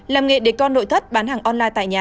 làm nghề để con nội thất bán hàng online tại nhà